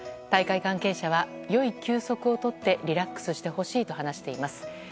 大会関係者は良い休息をとってリラックスしてほしいと話しています。